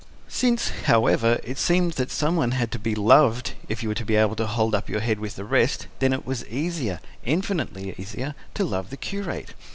Since, however, it seemed that some one had to be loved if you were to be able to hold up your head with the rest, then it was easier, infinitely easier, to love the curate.